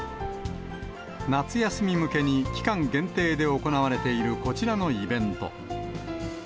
夏休み向けに期間限定で行われているこちらのイベント。